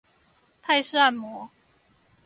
泰式按摩